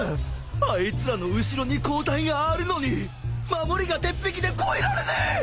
あいつらの後ろに抗体があるのに守りが鉄壁で越えられねえ！